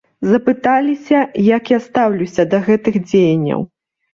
Запыталіся, як я стаўлюся да гэтых дзеянняў.